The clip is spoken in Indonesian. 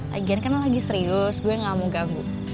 lagi kan kan lo lagi serius gue gak mau ganggu